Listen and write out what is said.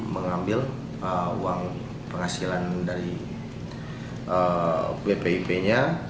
mengambil uang penghasilan dari bpip nya